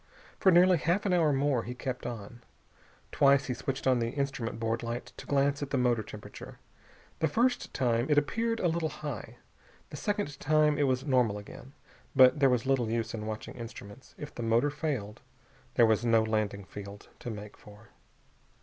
For nearly half an hour more he kept on. Twice he switched on the instrument board light to glance at the motor temperature. The first time it appeared a little high. The second time it was normal again. But there was little use in watching instruments. If the motor failed there was no landing field to make for.